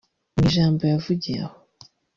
Mu ijambo yavugiye aho